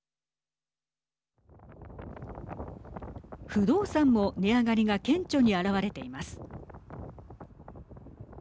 不動産も値上がりが顕著に表れています。